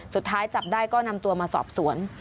สุดท้ายจับได้ก็นำตัวมาสอบสวน